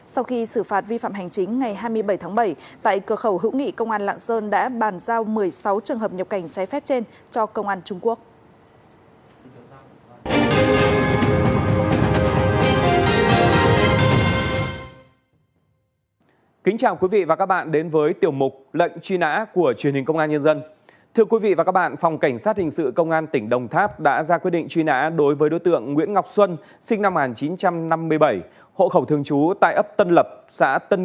sau khi xử phạt vi phạm hành chính ngày hai mươi bảy tháng bảy tại cửa khẩu hữu nghị công an lạng sơn đã bàn giao một mươi sáu trường hợp nhập cảnh cháy phép trên